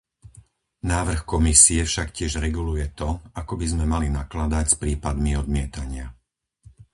Návrh Komisie však tiež reguluje to, ako by sme mali nakladať s prípadmi odmietania.